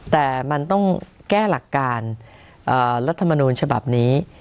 แต่มันต้องแก้หลักการรัฐมนูลฉบับนี้